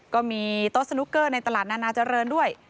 ก็มีโต๊ะสนุกเกอร์ในตลาดนานาเจริญด้วย